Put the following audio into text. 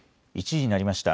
１時になりました。